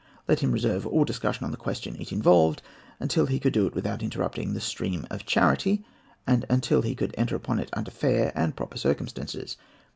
Let him reserve all discussion on the question it involved until he could do it without interrupting the stream of charity, and until he could enter upon it under fair and proper circumstances.